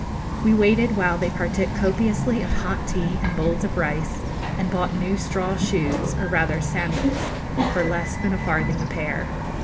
We waited while they partook copiously of hot tea and bowls of rice, and bought new straw shoes, or rather sandals, for less than a farthing a pair.